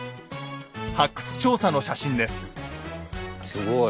すごい！